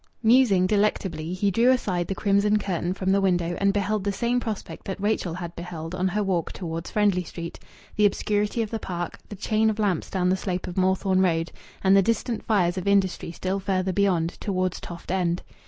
Musing delectably, he drew aside the crimson curtain from the window and beheld the same prospect that Rachel had beheld on her walk towards Friendly Street the obscurity of the park, the chain of lamps down the slope of Moorthorne Road, and the distant fires of industry still farther beyond, towards Toft End.